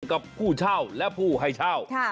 กับผู้เช่าและผู้ให้เช่า